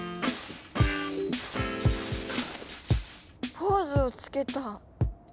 ポーズをつけた。